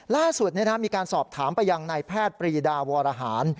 ล่าสุดมีการสอบถามไปยังนายแพทย์ปรีดาวรหาร